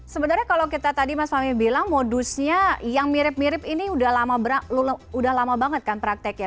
sebenarnya kalau kita tadi mas fahmi bilang modusnya yang mirip mirip ini udah lama banget kan prakteknya